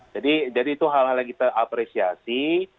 jadi itu hal hal yang kita apresiasi